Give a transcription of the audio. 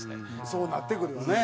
そうなってくるよね。